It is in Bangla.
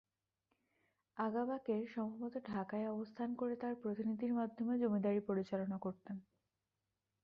আগা বাকের সম্ভবত ঢাকায় অবস্থান করে তাঁর প্রতিনিধির মাধ্যমে জমিদারি পরিচালনা করতেন।